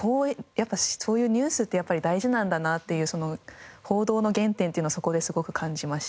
そういうニュースってやっぱり大事なんだなっていう報道の原点っていうのをそこですごく感じましたね。